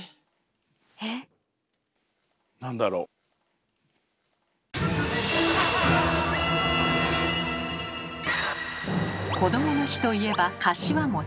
なんだろう⁉こどもの日といえばかしわ。